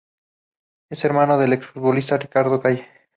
Es hermano del ex-futbolista Ricardo Calle.